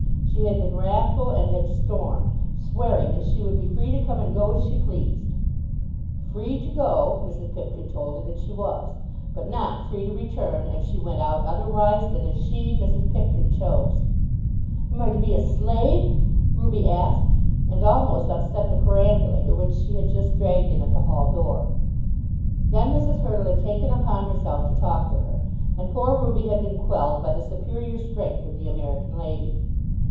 She had been wrathful and had stormed, swearing that she would be free to come and go as she pleased. Free to go, Mrs. Pipkin told her that she was; but not free to return if she went out otherwise than as she, Mrs. Pipkin, chose. "Am I to be a slave?" Ruby asked, and almost upset the perambulator which she had just dragged in at the hall door. Then Mrs. Hurtle had taken upon herself to talk to her, and poor Ruby had been quelled by the superior strength of the American lady.